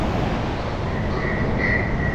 তাতে কোন কল্যাণ নিহিত নাই।